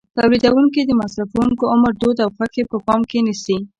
تولیدوونکي د مصرفوونکو عمر، دود او خوښې په پام کې نیسي.